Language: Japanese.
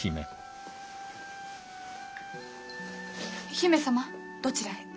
姫様どちらへ？